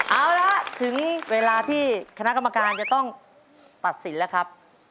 เอาละถึงเวลาที่คณะกรรมการจะต้องตัดสินแล้วครับ